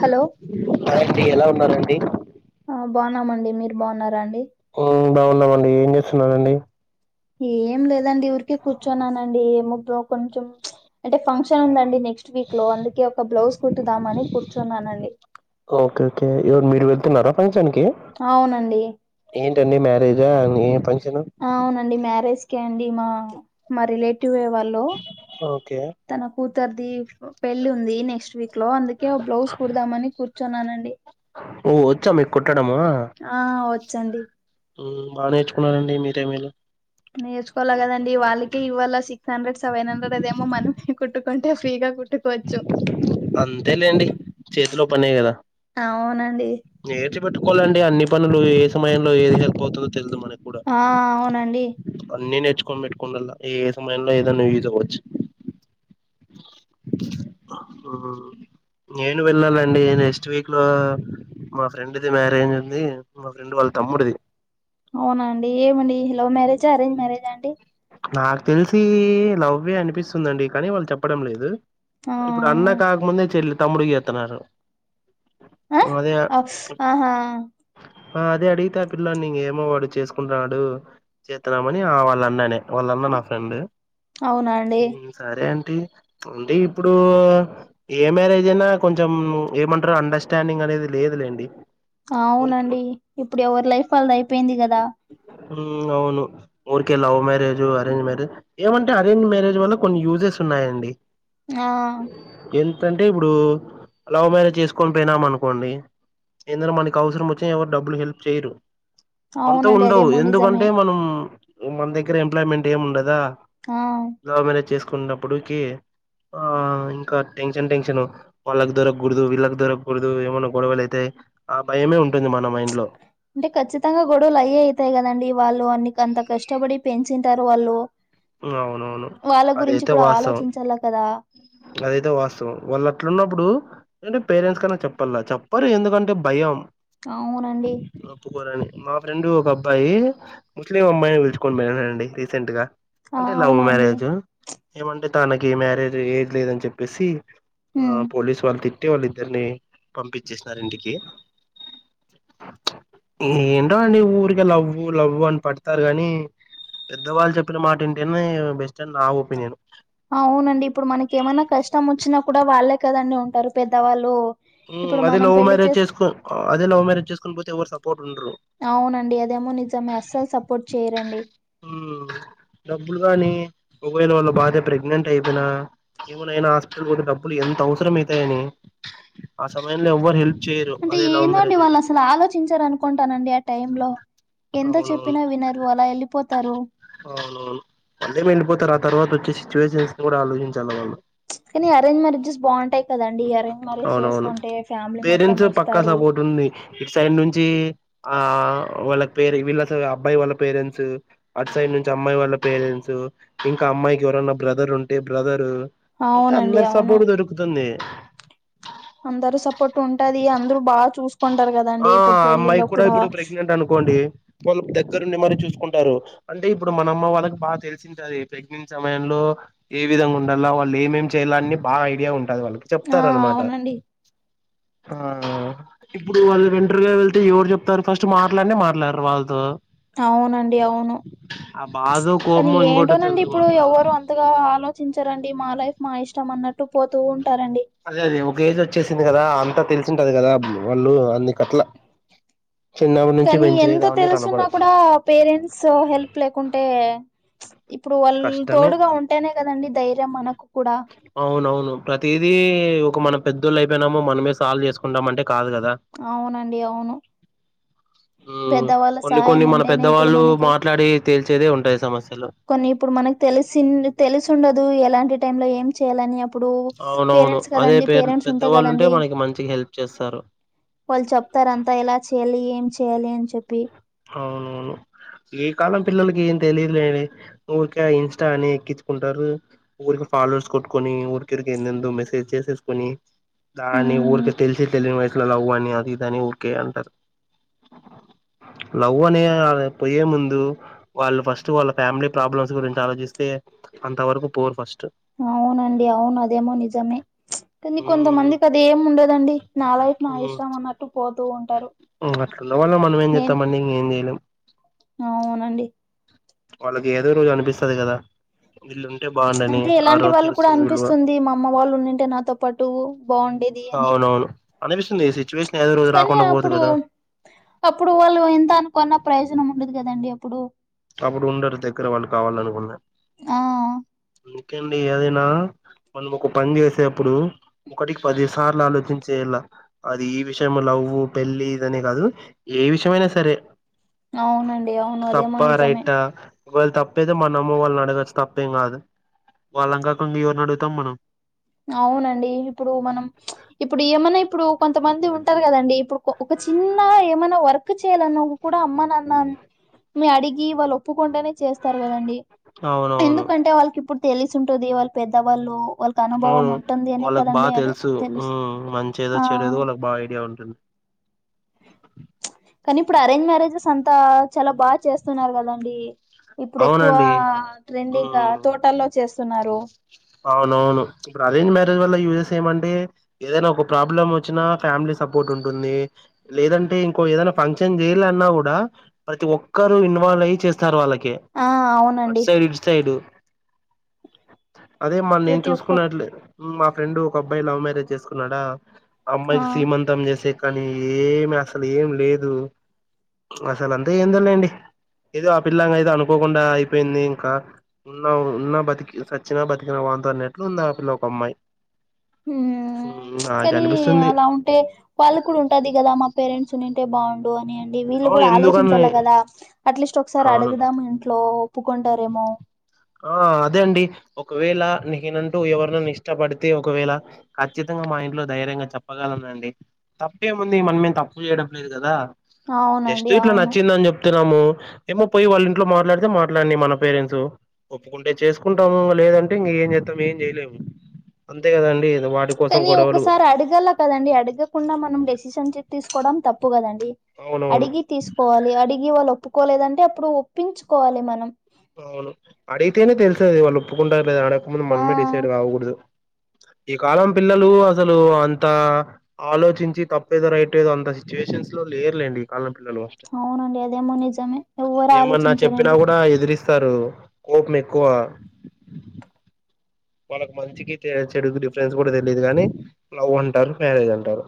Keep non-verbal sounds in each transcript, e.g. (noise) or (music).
Hello hi అండి ఎలా ఉన్నారు అండి ఆ బాగున్నామండి మీరు బాగున్నారా అండి ఉ బాగున్నామండి ఏం చేస్తున్నారు అండి ఏం లేదండి ఊరికే కూర్చోన్నానండి ఏ ముగ్ కొంచెం అంటే ఫంక్షన్ క్షన్ ఉందండి నెక్స్ట్ వీక్ లో అందుకే ఒక బ్లౌజ్ కుట్టుదామని కూర్చున్నాను అండి ఓకే ఓకే ఎవరు మీరు వెళ్తున్నారా పంక్షన్ కి అవునండి ఏంటండి మ్యారేజ్ ఏ ఫంక్షన్ అవునండి మ్యారేజ్కే అండి మా మా రిలేటివ్ వాళ్ళు ఓకే తన కూతుర్ది పెళ్లి ఉంది నెక్స్ట్ వీక్ లో అందుకే ఓ బ్లౌజ్ కుడదామని కూర్చున్నానండి ఓ వచ్చా మీకు కుట్టడము ఆ వచ్చు అండి ఉ బాగా నేర్చుకున్నరండి మీరే మేలు నేర్చుకోళ్ల కదండి వాళ్ళకి ఇవ్వాళ్ళ సిక్స్ హండ్రెడ్ సెవెన్ హండ్రెడ్ అదేమో మనమే కుట్టుకుంటే ఫ్రీగా కు ట్టుకోవచ్చు అంతే లేండి చేతిలో పనే కదా అవును అండి నేర్చి పెట్టుకోవాలండి అన్ని పనులు ఏ సమయంలో ఏది హెల్ప్ అవుతుందో తెలిదు మనకి ఆ అవునండి అన్నీ నేర్చుకొని పెట్టుకోండల్లా ఏ సమయంలో ఏదన్న యూజ్ అవ్వచ్చు నేను వెళ్ళాలండి నెక్స్ట్ వీక్ లో మా ఫ్రెండ్ది మ్యారేజ్ ఉంది మా ఫ్రెండ్ వాళ్ళ తమ్ముడిది అవునా అండి ఏమండి లవ్ మ్యారేజా అరేంజ్ మ్యారేజా అండి నాకు తెలిసి లవ్వే అనిపిస్తుందండి కానీ వాళ్ళు చెప్పడం లేదు ఆ ఇప్పుడు అన్న కాకముందే చెల్లి తమ్ముడుకి చేతన్నారు ఆ అదే ఆ ఆహా ఆ అదే అడిగితే ఆ పిల్లల్ని ఏమో వాడు చేసుకుంటాడు చేతాన్నామని ఆ వాళ్ళ అన్నానే వాళ్ళ అన్న నా ఫ్రెండ్ అవునండి హ్మ్. సరే అంటి తుండి ఇప్పుడు ఏ మ్యారేజ్ అయినా కొంచెం ఏమంటారు అండర్స్టాండింగ్ అనేది లేదు లేండి అవునండి ఇప్పుడు ఎవరు లైఫ్ వాళ్ళది అయిపోయింది కదా ఉ అవును ఊరుకే లవ్ మ్యరేజ్ డు అరేంజ్ మ్యారేజ్ ఏమంటే అరేంజ్ మ్యారేజ్ వల్ల కొన్ని యూజెస్ ఉన్నాయండి ఆ ఎంత అంటే ఇప్పుడు లావ్ మ్యారేజ్ చేసుకొని పోయినామనుకోండి ఏందన్నా మనకు అవసరం వచ్చే ఎవరు డబ్బులు హెల్ప్ చేయరు మనతో అవునండి ఉండవు అదేమో నిజమే ఎందుకంటే మనం మన దగ్గర ఎంప్లాయ్మెంట్ ఏమిండదా ఆ లవ్ మ్యారేజ్ చేసుకున్నప్పుడుకి ఆ ఇంకా టెన్షన్ టెన్షన్ వాళ్లకు దొరక్కకూడదు వీళ్ళకి దొరక్కకూడదు ఏమన్నా గొడవలు అయితే ఆ భయమే ఉంటుంది మన మైండ్ లో అంటే ఖచ్చితంగా గొడవలు అయ్యా అయితయి కదండీ వాళ్లు అన్ని అంత కష్టపడి పెంచుంటారు వాళ్ళు అవునవును వాళ్ల గురించి అదైతే కూడా వాస్తవం ఆలోచించాల కదా అదైతే వాస్తవం వాళ్ళు అట్లు ఉన్నప్పుడు అంటే పేరెంట్స్ కన్నా చెప్పాలా చెప్పరు ఎందుకంటే భయం అవునండి ఒప్పుకోరని మా ఫ్రెండ్ ఒక అబ్బాయి ముస్లిం అమ్బాయిని తెచ్చుకొని పోయినండి రీసెంట్ గా ఆ అంటే లవ్ అవునండి మ్యారేజ్ ఏమంటే తనకి మ్యారేజ్ ఏట్ లేదని చెప్పేసి ఉమ్ ఆ పోలీసు వాళ్ళు తిట్టి వాళ్ళిద్దర్నీ పంపించేసినారు ఇంటికి ఏంటో అండి ఊరికే లవ్వు లవ్వు అని పడతారు గాని పెద్ద వాళ్ళు చెప్పిన మాట వింటేనే బెస్ట్ అని నా ఒపీనియన్ అవునండి ఇప్పుడు మనకి ఏమైనా కష్టం వచ్చినా కూడా వాళ్లే కదండీ ఉంటారు పెద్దవాళ్ళు ఇప్పుడు అదే మనం లవ్ పెళ్లి మ్యారేజ్ చేస్ చేసుకో అదే లవ్ మ్యారేజ్ చేసుకోకపోతే ఎవరు సపోర్ట్ ఉండరు అవునండి అదేమో నిజమే అస్సలు సపోర్ట్ చేయరండి ఉమ్ డబ్బులు గాని ఒకవేళ వాళ్ల భార్య ప్రెగ్నెంట్ అయిపోయిన ఏమనైనా హాస్పిటల్ పోతే డబ్బులు ఎంత అవసరమ అయితే అని ఆ సమయంలో ఎవ్వరు హెల్ప్ అంటే లవ్ ఏందో అండి మ్యారేజ్ వాళ్ళ అయితే అసలు ఆలోచించార అనుకుంటానండి ఆ టైంలో ఎంత అవునవును చెప్పినా వినరు అలా వెళ్ళిపోతారు అవునవును మల్లెం వెళ్ళిపోతారు ఆ తర్వాత వచ్చే సిచువేషన్ కూడా ఆలోచించాలి వాళ్ళు కానీ అరేంజ్ మ్యారేజ్ స్ బాగుంటాయి కదండీ అరేంజ్ మ్యారేజ్ అవునవును చేసుకుంటే ఫ్యామిలీ మొత్తం పేరెంట్స్ పక్కా వస్తారు సపోర్ట్ ఉంది ఇటు సైడ్ నుంచి ఆ వాళ్ల పేర వీళ్లు అసలా అబ్బాయి వాళ్ళ పేరెంట్స్ అటు సైడ్ నుంచి అమ్మాయి వాళ్ళ పేరెంట్స్ ఇంకా అమ్మాయికి ఎవరైనా బ్రదర్ ఉంటే బ్రదర్ ఇక అవునండి అందరు అవును సపోర్ట్ దొరుకుతుంది అందరూ సపోర్ట్ ఉంటది అందరూ బాగా చూసు ఉంటారు కదా ఆ అమ్మాయి కూడా ఇప్పుడు ప్రెగ్నెంట్ అనుకోండి వాళ్ల దగ్గరుండి మరి చూసుకుంటారు అంటే ఇప్పుడు మన అమ్మ వాళ్లకి బాగా తెలిసిద్ది అది ప్రెగ్నెన్సీ సమయంలో ఏ విధంగా ఉండాల్నా వాళ్ళు ఏమేం చేయాల్నా అని బాగా ఐడియా ఉంటది వాళ్లకి ఆ చెప్తారన్నమాట అవునండి ఆ ఇప్పుడు వాళ్ళు వెంటర్గా వెళ్తే ఎవరు చెప్తారు ఫస్ట్ మాట్లాడినే మాట్లాడరు వాళ్ళతో అవునండి అవును ఆ బాధో కానీ కోపమో ఇంకోటో ఏంటోనండి తెలిదు ఇప్పుడు మాట్లాడరు ఎవరు అ ఎంతగా ఆలోచించారండి. మా లైఫ్ మా ఇష్టం అన్నట్టు పోతూ ఉంటారండి. అదే అది ఒక ఏజ్ వచ్చేసింది. కదా అంతా తెలిసింటది కదా వాళ్ళు అన్నికట్లా కానీ ఎంత అవన్నీ తెలుసున్నా కనపడవు కూడా పేరెంట్స్ హెల్ప్ లేకుంటే ఇప్పుడు వాళ్ళు కష్టమే తోడుగా ఉం అంటేనే కదండి ధైర్యం మనకు కూడా అవునవును ప్రతిదీ ఒక మన పెద్దోళ్ళు అయిపోయినామో మనమే సాల్వ్ చేసుకుంటామంటే కాదు కదా అవునండి అవును పెద్దవాళ్ళ కొన్ని సహాయం కొన్ని మన ఉంటేనే ఇప్పుడు పెద్దవాళ్ళు మనకి మాట్లాడి తేల్చేదే ఉంటాయి. సమస్యలు కొన్ని ఇప్పుడు మనకు తెలిసి తెలిసి ఉండదు ఎలాంటి టైమ్ లో ఏం చేయాలని ఇప్పుడు అవునవును పేరెంట్స్ అదే కదండి. పేర్ పేరెంట్స్ ఉంటాయి పెద్దవాళ్ళు ఉంటే కదండి మనకి మంచిగా హెల్ప్ చేస్తారు వాళ్ళు చెప్తారు. అంతా ఏలా చెయ్యాలి ఏం చెయాలి అని చెప్పి అవునవును ఈ కాలం పిల్లలకి ఏం తెలియదులేవే ఊరికే ఇస్టా అని ఎక్కించుకుంటారు. ఊరికి ఫాలోవర్స్ కొట్టుకొని ఊరికిరికకే ఎందుకో మెసేజ్ లు చేసేసుకొని దాని ఉమ్ ఊరికే తెలిసి తెలియని వయసు లో లవ్వు అని అది ఇదని ఊరికే అంటారు లవ్వనే పొయ్యే ముందు వాళ్ళు ఫస్ట్ వాళ్ళ ఫ్యామిలీ ప్రాబ్లమ్స్ గురించి ఆలోచిస్తే అంత వరకు పోరు ఫస్ట్ అవునండి అవును అదేమో నిజమే కానీ ఉమ్ కొంతమందికి అది ఏం ఉండదండి నా లైఫ్ నా ఇష్టం అన్నట్టు పోతూ ఉంటారు. అట్న వాల్ల మనం ఏం నేను చెస్తాం అండి ఇంక మనం ఏం చెయలేం అవునండి వాళ్ళకి ఏదో రోజు అనిపిస్తది గదా అంటే ఇలాంటి వాళ్ళు కూడా తెలుస్తుంది విలువ అనిపిస్తుంది. మా అమ్మ వాళ్ళు ఉన్నంటే నాతో పాటు టు బాగుండేది అని అవునవును అనిపిస్తుంది ఈ సిచ్యువేషన్ ఏదో రోజు కానీ రాకుండా పోదు అప్పుడు కదా అప్పుడు వాళ్ళు ఏంతానుకున్న ప్రయోజనం ఉండదు కదండి అప్పుడు అప్పుడు ఉండరు దగ్గర వాళ్ళు కావాలనుకున్నా ఆ ఇంకండి ఏదైనా మనం ఒక పని చేసేప్పుడు ఒకటికి పది సార్లు ఆలోచించేలా అది ఈ విషయము లవ్వు పెళ్లి ఇదనే కాదు ఏ విషయమైనా సరే అవునండి అవును అదేమో తప్పా నిజమే రైటా ఒకవేళ వాళ్ళ తప్పైతే మనం వాళ్ళని అడగచ్చు తప్పేం కాదు. వాళ్ళం కాకుండ ఎవరిని అడుగుతాం మనం అవునండి ఇప్పుడు మనం ఇప్పుడు ఏమైనా ఇప్పుడు కొంతమంది ఉంటారు కదండి. ఇప్పుడు ఒక చిన్న గా ఏమైనా వర్క్ చేయాలన్నా కూడా అమ్మ నాన్నను అడిగి వాళ్ళు ఒప్పుకుంటేనే చేస్తారు కదండి. అవునవును ఎందుకంటే వాళ్ళకి ఇప్పుడు తెలిసి ఉంటది వాళ్ళ పెద్దవాళ్ళు వాళ్ళు అనుభవం అవును ఉంటుంది. అనే వాళ్ళకి కదండి బాగా ఆడు తెలుసు ఉమ్, మంచి ఏదో ఆ చెడు ఏదో వాళ్ళకి బాగా ఐడియా ఉంటుంది కానీ ఇప్పుడు అరేంజ్ మ్యారేజెస్ అంతా చాలా బాగా చేస్తున్నారు కదండి ఇప్పుడు ఎక్కువ అవునండి ట్రెండింగ ఉమ్. తోటాల్లో చేస్తున్నారు అవునవును ఇప్పుడు అరేంజ్ మ్యారేజ్ వల్ల యూజెస్ ఏమంటే ఏదైనా ఒక ప్రాబ్లం వచ్చినా ఫ్యామిలీ సపోర్ట్ ఉంటుంది లేదంటే ఇంకో ఏదైనా ఫంక్షన్ చేయాలే ఆన్నా గూడా ప్రతి ఒక్కరు ఇన్వాల్వ్ అయి చేస్తారు వాళ్ళకి, ఆ అటు అవునండి సైడ్ ఇటు సైడు అదే మ నేను ప్రతి ఒక్కరు చూసుకున్నట్లే, మా ఫ్రెండ్ ఒక అబ్బాయి లవ్ మ్యారేజ్ చేసుకున్నాడా ఆ అమ్మాయికి సీమంతం చేసే కానీ, ఏమి అసలు ఏమి లేదు. అసలు అంత ఏందో లేండి. ఏదో ఆ పిల్లాంగ ఏదో అనుకోకుండా అయిపోయింది ఇంకా, ఉన్న ఉన్న బతికి సచ్ చ్చినా బతికిన వాంతోనే అన్నట్లు ఉంది ఆ పిల్ల ఒక అమ్మాయి. ఉమ్ ప్చ్ నాకు కానీ అనిపిస్తుంది అలా ఉంటే వాళ్ళకు కూడా ఉంటాది కదా మా పేరెంట్స్ ర్చునింటే బాగుండు అని అండి, వీళ్ళు అవును గుడా ఎందుకని ఆలోచించాల గదా. అట్లీస్ట్ ఒకసారి అవును అడుగుదాం ఇంట్లో, ఒప్పుకుంటారేమో ఆ అదే అండి, ఒకవేళ నకేనంటూ ఎవరినన్న ఇష్టపడితే ఒకవేళ ఖచ్చితంగా మా ఇంట్లో ధైర్యంగా చెప్పగలనండి. తప్పేముంది మనమేం తప్పు చేయడం లేదు కదా, జస్ట్ అవునండి ఇట్లా అవును నచ్చిందని చెప్ చెప్తనము ఏమో పోయి వాళ్ళ ఇంట్లో మాట్లాడితే మాట్లాడిని మనం పేరెంట్స్ ఒప్పుకుంటే చేసుకుంటాము, ఇంగ లేదంటే ఇంక ఏం చేస్తాం ఏం చేయలేము. అంతే కదండి ఇదా వాడి కానీ ఒకసారి అడగల్ల కదండి, అడగకుండా మనం డెసిషన్ కి తీసుకోవడం తప్పు కదండి. అవునవును అడిగి తీసుకోవాలి అడిగి వాళ్ళు ఒప్పుకోలేదంటే అప్పుడు ఒప్పించుకోవాలి మనం. అవును అడిగితేనే తెలిసేది వాళ్ళు ఒప్పుకుంటారో లేదో, అడక్కముందు ఆ మనమే డిసైడ్ కావకూడదు ఈ కాలం పిల్లలు అసలు అంత ఆలోచించి తప్పేదో రైట్ ఏదో అంత సిచ్యువేషన్స్ లో లేర్లేండి ఈ కాలం పిల్లలు. అవునండి అదేమో నిజమే ఎవరు ఆలోచించరండి. నా ఎదురిస్ సరు కోపం ఎక్కువ వాళ్ళకి మంచికి చెడుకి డిఫరెన్స్ గుడా తెలీదూ కని, లవ్ అంటారు మ్యారేజ్ అంటారు.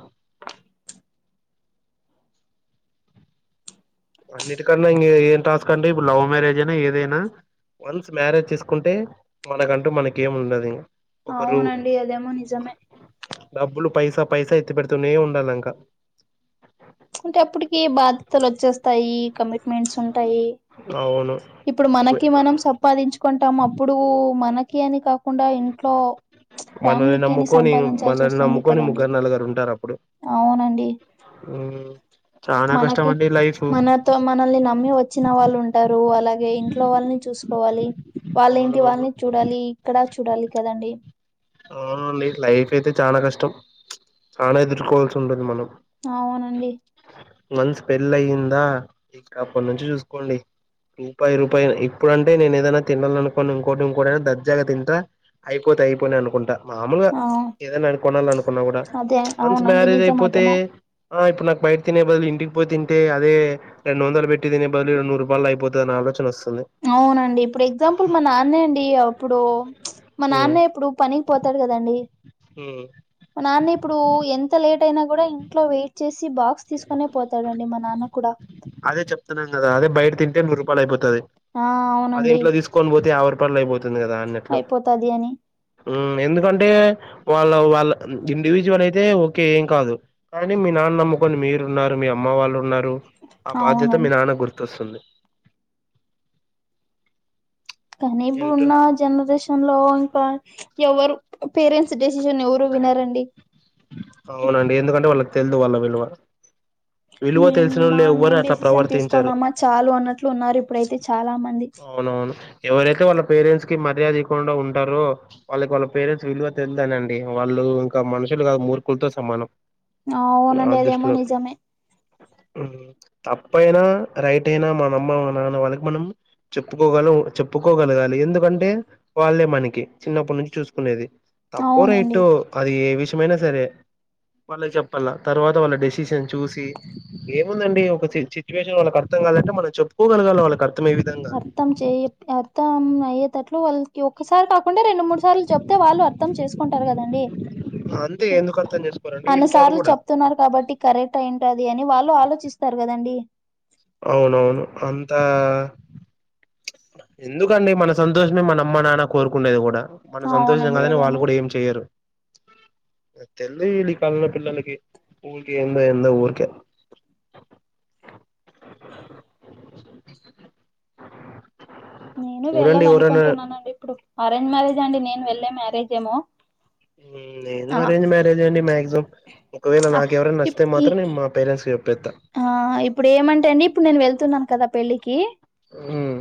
అన్నిటికన్నా ఇంగ ఏం టాస్కు అండి, ఇప్పుడు లవ్ మ్యారేజ్ నా ఏదైనా. వన్స్ మ్యారేజ్ చేసుకుంటే మనకంటూ మనకి ఏం ఉండది అవునండి అదేమో నిజమే డబ్బులు పైసా పైస ఎత్తి పెడితూనే ఉండాల ఇంక అంటే అప్పటికి బాధ్యతలు వచ్చేస్తాయి కమి మిల్స్ ఉంటాయి, అవును ఇప్పుడు మనకి మనం సబ్ పాదించుకుంటాం అప్పుడు మనకి అని కాకుండా ఇంట్లో మనల్ని ఫ్యామిలీకి అని నమ్ముకొని సంపాదించాల్సి మనల్ని వస్తుంది నమ్ముకొని కదండి ముగ్గరు నలగరు ఉంటారప్పుడు. అవునండి ఉమ్ చానా కష్టం మనకి అండి లైఫు మనతో మనల్ని నమ్మి వచ్చిన వాళ్ళు ఉంటారు, అలాగే ఇంట్లో వాళ్ళని చూసుకోవాలి. వాళ్ళింటి అవునవును వాళ్ళని చూడాలి, ఇక్కడా చూడాలి కదండి. అవునండి లైఫ్ అయితే చానా కష్టం, చాలా ఎదుర్కోవాల్సి ఉంటుంది మనం. అవునండి వన్స్ పెళ్లి అయ్యిందా, ఇకా అప్పటి నుంచి చూసుకోండి ఇంకా రూపాయి రూపాయి ఇప్పుడు అంటే నేను ఏదన్నా తినాలనుకోని ఇంకోటి ఇంకోటైనా దర్జాగా తింటా. అయిపోతే అయిపోలే అనుకుంటా. మామలుగా ఆ ఏదన్నా కొనాలి అనుకున్న గుడ అదే ప్చ్ వన్స్ అవునండి మ్యారేజ్ నిజం అయిపోతే అదేమో ఆ ఇప్పుడు నాకు బయట తినే బదులు ఇంటికి పో తింటే, అదే రెండు వందలు పెట్టి తినే బదులు రెండు రూపాయలతో అయిపోతది అన్న ఆలోచన వస్తుంది అవునండి ఇప్పుడు ఎగ్జాంపుల్ మా నాన్నే అండి అప్పుడు, ప్చ్ మా నాన్నే ఇప్పుడు పనికి పోతాడు కదండి. ఓ మా నాన్న ఇప్పుడు ఎంత లేటైనా గుడా ఇంట్లో వెయిట్ చేసి బాక్స్ తీస్కొనే పో తాడండి మా నాన్న కూడ అదే చెప్తున్నాను కదా అదే బైట తింటే నూర్రు రూపాయలు అయిపోతది ఆ అదే అవునండి ఇంట్లో దీస్కొని బోతే యావై (unintelligible) అయిపోతుంది గాద అన్యట్లు అయిపోతది అని ఊ ఎందుకంటే వాళ్ళ వాళ్ళ ఇండివిజ్వల్ అయితే ఓకే ఏం కాదు కానీ మీ నాన్న నమ్ముకొని మీరు ఉన్నారు మీ అమ్మ వాళ్ళు ఉన్నారు ఆ బాధ్యత అవునండి మీ నాన్నగ్ గుర్తొస్తుంది కానీ ఏంటో ఇబ్బుడున్నా జనరేషన్ లో ఇంకా ఎవరు పేరెంట్స్ డెసిజన్ ఎవ్ రు వినరండి అవ్నండి ఎందుకంటే వాళ్ళక్ తెల్దు వాళ్ళ విలువ విలువ మేం మా తెలిసినోళ్ళు ఎవ్వరు మేం అట్లా డిసిజన్ ప్రవర్తించరు తీస్కొన్నామా చాలు అన్నట్లు ఉన్నారు ఇప్పుడైతే చాలా మంది అవునవును ఎవరైతే వాళ్ళ పేరెంట్స్ కి మర్యాదీకుండ ఉంటారో వాళ్ళకి వాళ్ళ పేరెంట్స్ విలువ తెల్దని డి వాళ్ళు ఇంక మనుషులు గాదు మూర్ఖుల్తో సమానం నా అవునండి అదేమో దుష్లో నిజమే ఊ తప్పైనా రైటైనా మన అమ్మ మా నాన్న వాళ్ళకి మనం చొప్పుకోగల ఉ చెప్పుకోగలగాలి ఎందుకంటే వాళ్ళే మనకి చిన్నప్పున్నించి చూస్కునేది ప్పో అవునండి రైటో అది ఏ విషమైనా సరే వాళ్ళక్ షెప్పల తర్వాత వాళ్ళ డెసిషన్ చూసి ఏముందండి ఒక సి సిచ్యువేషన్ వాళ్ళకి అర్థం గాదంటే మనం చొప్పుకోగలగాల వాళ్ళకి అర్థం అయ్యే వి అర్థం చేయ్యప్ అర్థం అయ్యేటట్లు వాళ్ళ్కి ఒక్కసార్ కాకుండా రెండు మూడ్ సార్లు చొప్తే వాళ్ళు అర్థం చేస్కుంటారు కదండి అంతే ఇప్ ఎందుకు అర్థం చేసుకోరండి వింటారు అన్నసార్లు కూడా చెప్తున్నారు కాబట్టి కరెక్ట్ అయింటాది అని వాళ్ళు ఆలోచిస్తారు గదండి అవునవును హంతా ఎందుకండి మన సంతోష్మే మన అమ్మ నాన్న కోరుకుండేది గూడ మన సంతోషంగా అవునండి అనేది వాళ్ళు అదేమో గూడేం టెయ్యరు ఆ తెల్దు ఈల్లు ఈ కాలంలో పిల్లొల్లకి ఊర్కే ఎందో ఎందో ఊర్కే నేను చూడండి వెళ్ళాల్ ఎవరైనా అనుకుంటున్నానండి ఇప్పుడు అరేంజ్ మ్యారేజ్ అండి నేన్ వెళ్లే మ్యారేజ్ ఏమో నేను ఆ అరేంజ్ మ్యారేజే అండి మాక్సిమం ఒకవేళ ఆ నాకు ఎవరన్న నచ్చితే మాత్రం నేను మా ఫేరెన్స్ జొప్యేత్త ఆహా ఇప్పుడేమంటే అండి ఇప్పుడు నేను వెళ్తున్నాను కదా పెళ్ళికీ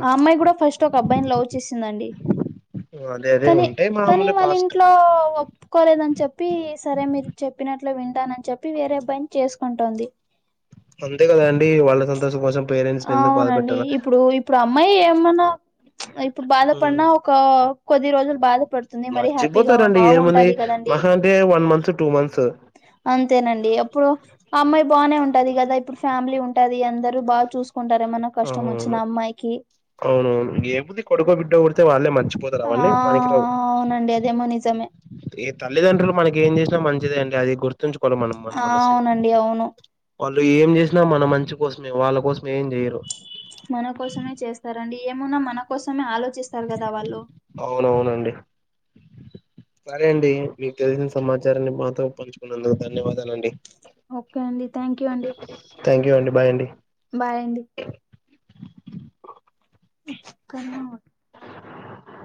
ఆ అమ్మాయ్ కూడా ఫస్టొక అబ్బాయ్ న్ లవ్ చేసిందండి అదే అదే కాని ఉంటాయి కానీ మామూలే పాస్ట్ వాళ్ళింట్లో ఒప్ కోలేదన్ చొప్పీ సరే మీర్ చొప్పినట్లు వింటానన్ చొప్పి వేరే అబ్బాయిన్ చేస్కుంటోంది అంతే కదా అండి వాళ్ళ సం తో (unintelligible) ఆవునండి ఇప్పుడు ఇప్పుడు అమ్మాయి ఏమన్నా ఇప్పుడు బాధపన్నా క్కా కొద్ది రోజుల్ బాధ పడు మర్చిపోతారండి ఏముంది మాహా అంటే వన్ మంతు టూ మంత్సు అంతేనండి ఎప్పుడొ ఆమ్మాయ్ బానే ఉంటది గదా ఇప్పుడ్ ఫ్యామ్లీ ఉంటది అందరూ బాగ్ చూస్కుంటారేమన్న అహును అవునవును ఏముంది కొడుకో బిడ్డో బుడితే వాళ్ళే మర్చిపో అహా అవునండి అదేమో నిజమే ఏ తల్లిదండ్రులు మనకి ఏం జేస్నా మంచిదే అండి అది గుర్తుంచుకోల్ల మనం మన ఆ మనసులో అవునండి అవును వాళ్ళు ఏం జేస్నా మన మంచి కోస్మే వాళ్ళ కోస్మే ఏం జెయ్యరు మన కోసమే చేస్తారండి ఏమున్నా మన కోస్మే ఆలోచిస్తారు కదా వాళ్ళు అవునవునండి సరే అండి మీక్ తెల్సిన సమాచారాన్ని మాతో పంచుకునందుక్ ధన్యవాదాలండి ఓకే అండి థ్యాంక్ యూ అండి థాంక్యూ యు అండి బాయ్ అండి బాయ్ అండి క్క నోవా